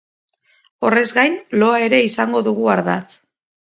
Horrez gain, loa ere izango dugu ardatz.